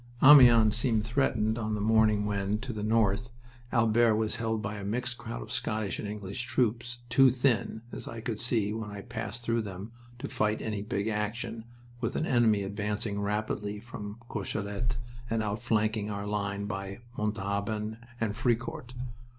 Amiens seemed threatened on the morning when, to the north, Albert was held by a mixed crowd of Scottish and English troops, too thin, as I could see when I passed through them, to fight any big action, with an enemy advancing rapidly from Courcellette and outflanking our line by Montauban and Fricourt.